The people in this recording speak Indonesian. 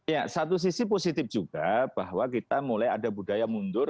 ya satu sisi positif juga bahwa kita mulai ada budaya mundur